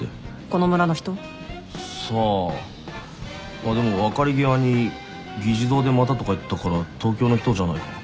あっでも別れ際に「議事堂でまた」とか言ってたから東京の人じゃないかな。